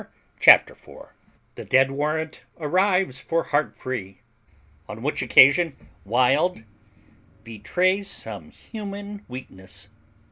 CHAPTER FOUR THE DEAD WARRANT ARRIVES FOR HEARTFREE; ON WHICH OCCASION WILD BETRAYS SOME HUMAN WEAKNESS.